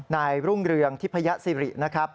รุ่งเรืองทิพยสิรินะครับ